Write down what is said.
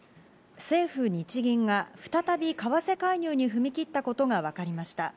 政府・日銀が再び為替介入に踏み切ったことがわかりました。